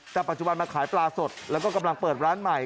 แต่ปัจจุบันมาขายปลาสดแล้วก็กำลังเปิดร้านใหม่